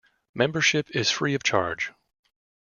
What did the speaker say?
Membership is free of charge.